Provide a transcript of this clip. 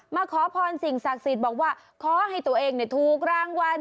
ขอพรสิ่งศักดิ์สิทธิ์บอกว่าขอให้ตัวเองถูกรางวัล